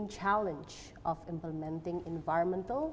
dalam memperbaiki kepentingan ekonomi global